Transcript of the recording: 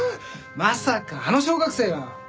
まさかあの小学生が？